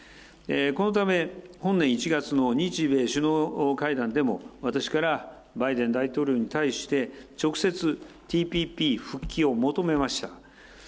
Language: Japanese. このため、本年１月の日米首脳会談でも、私からバイデン大統領に対して、直接、ＴＰＰ復帰を求めました。